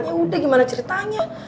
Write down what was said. ya udah gimana ceritanya